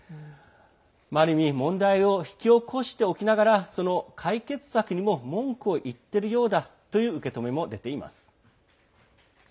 ある意味問題を引き起こしておきながらその解決策にも文句を言っているようだという受け止めも出ています。